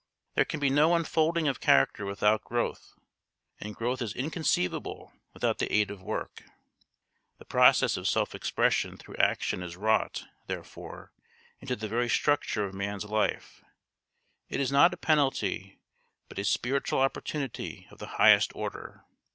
There can be no unfolding of character without growth, and growth is inconceivable without the aid of work. The process of self expression through action is wrought, therefore, into the very structure of man's life; it is not a penalty, but a spiritual opportunity of the highest order.